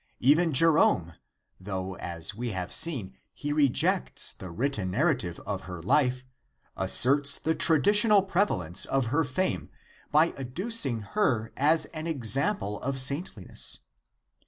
Even Jerome 1° though as we have seen he rejects the written narrative of her life, asserts the traditional prevalence of her fame by ad ducing her as an example of saintliness.